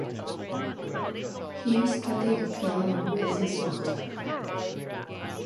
He studied piano with his mother.